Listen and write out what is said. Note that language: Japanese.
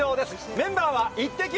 メンバーはイッテＱ！